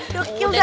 dekil dari mama